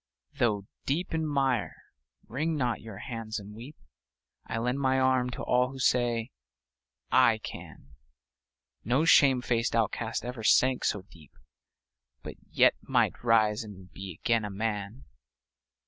Though deep in mire, wring not your hands and weep; I lend my arm to all who say "I can!" No shame faced outcast ever sank so deep, But yet might rise and be again a man